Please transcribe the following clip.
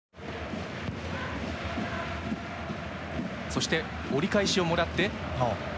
そして折り返しをもらってあまた